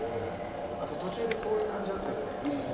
あと途中でこういう感じあったじゃないっすか。